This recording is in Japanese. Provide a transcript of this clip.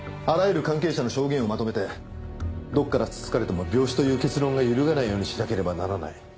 あらゆる関係者の証言をまとめてどこからつつかれても病死という結論が揺るがないようにしなければならない。